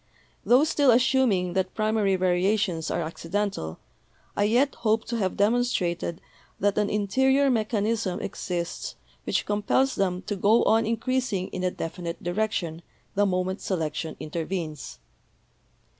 Tho still assuming that primary variations are 'accidental,' I yet hope to have demonstrated that an interior mechanism exists which compels them to go on increasing in a definite direction the moment selection intervenes.